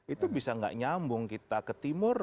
itu bisa nggak nyambung kita ke timur